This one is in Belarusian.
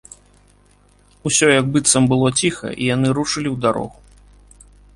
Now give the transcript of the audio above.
Усё як быццам было ціха, і яны рушылі ў дарогу.